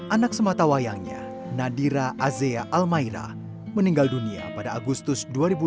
anak sematawayangnya nadira azea almaira meninggal dunia pada agustus dua ribu dua puluh dua